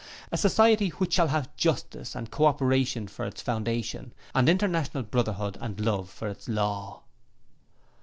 A society which shall have justice and co operation for its foundation, and International Brotherhood and love for its law.